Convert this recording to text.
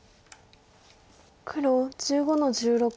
黒１５の十六。